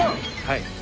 はい。